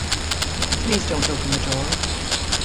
Please don't open the door.